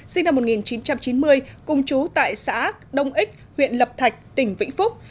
sinh năm một nghìn chín trăm chín mươi cùng chú tại xã đông ích huyện lập thạch tỉnh vĩnh phúc